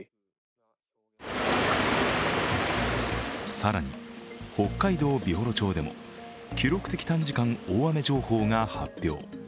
更に北海道美幌町でも記録的短時間大雨情報が発表。